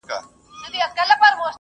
کیسې به پر وسایلو ولوستل شي.